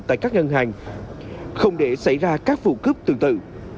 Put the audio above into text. tại các ngân hàng không để xảy ra các vụ cướp tương tự